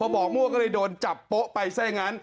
พอบอกมั่วก็เลยโดนจับโป๊ะไปไส้งาน